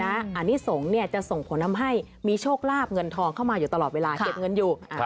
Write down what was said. อันนี้สงฆ์จะส่งผลทำให้มีโชคลาบเงินทองเข้ามาอยู่ตลอดเวลาเก็บเงินอยู่